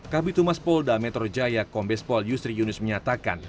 kabupaten tumas polda metro jaya kombes pol yusri yunus menyatakan